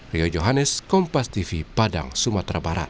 ria johanes kompas tv padang sumatera barat